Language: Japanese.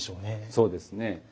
そうですね。